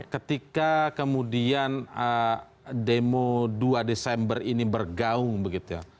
ketika kemudian demo dua desember ini bergaung begitu ya